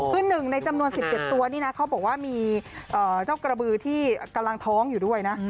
คือหนึ่งในจำนวน๑๗ตัวนี่นะเขาบอกว่ามีเจ้ากระบือที่กำลังท้องอยู่ด้วยนะ